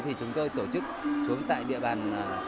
thì chúng tôi tổ chức xuống tại địa bàn